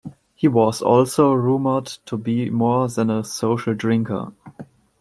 He was also rumored to be more than a social drinker.